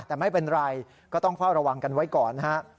แต่ไม่เป็นไรก็ต้องเฝ้าระวังกันไว้ก่อนนะฮะ